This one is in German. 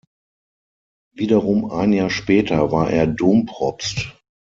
Wiederum ein Jahr später war er Dompropst.